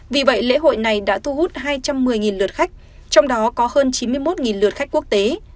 vì vậy lễ hội này đã thu hút hai trăm một mươi lượt khách trong đó có hơn chín mươi một lượt khách quốc tế